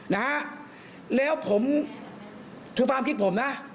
นะฮะแล้วผมคือความคิดผมนะ